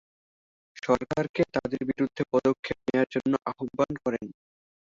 সরকারকে তাদের বিরুদ্ধে পদক্ষেপ নেয়ার জন্য আহ্বান করেন।